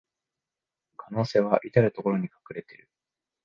可能性はいたるところに隠れてる